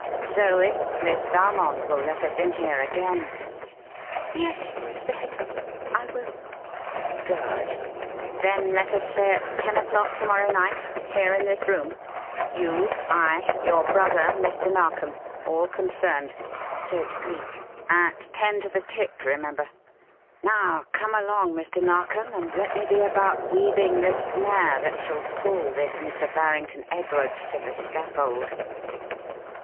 So if Miss Valmond will let us in here again " "Yes, Mr. Headland, I will." "Good! Then let us say at ten o'clock to morrow night here in this room; you, I, your brother, Mr. Narkom all concerned!" said Cleek. "At ten to the tick, remember. Now come along, Mr. Narkom, and let me be about weaving the snare that shall pull this Mr. Barrington Edwards to the scaffold."